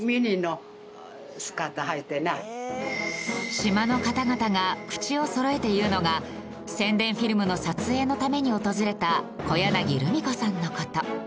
島の方々が口をそろえて言うのが宣伝フィルムの撮影のために訪れた小柳ルミ子さんの事。